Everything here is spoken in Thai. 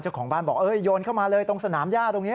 เจ้าของบ้านบอกโยนเข้ามาเลยตรงสนามย่าตรงนี้